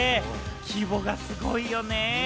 規模がすごいよね。